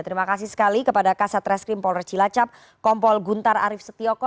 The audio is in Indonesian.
terima kasih sekali kepada kasat restri polresta cilacap kompol guntar arief seityoko